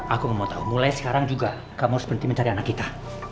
aku mau tahu mulai sekarang juga kamu harus berhenti mencari anak kita